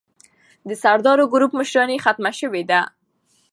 د سردارو ګروپ مشراني ختمه سوې ده.